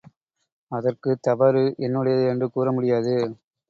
அதற்குத் தவறு என்னுடையது என்று கூற முடியாது.